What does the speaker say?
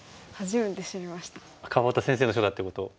川端先生の書だってことを？